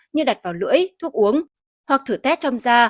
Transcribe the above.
như đặt vào lưỡi thuốc uống hoặc thử test trong da